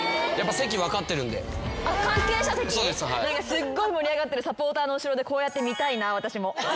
すっごい盛り上がってるサポーターの後ろでこうやって見たいな私も。